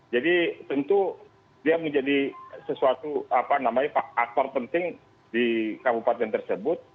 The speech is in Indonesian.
jadi tentu dia menjadi sesuatu apa namanya aktor penting di kabupaten tersebut